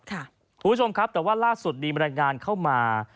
คุณผู้ชมครับแต่ว่าล่าสุดมีบรรยายงานเข้ามา